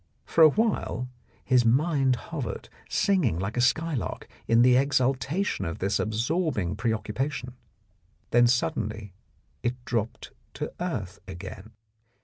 For a while his mind hovered, singing like a skylark in the exultation of this absorbing preoccupation, then suddenly it dropped to earth again.